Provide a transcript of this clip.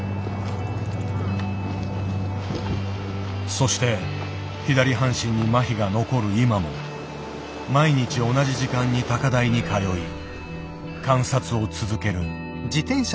そして左半身にまひが残る今も毎日同じ時間に高台に通い観察を続ける。